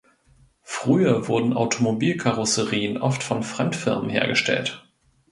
Früher wurden Automobilkarosserien oft von Fremdfirmen hergestellt.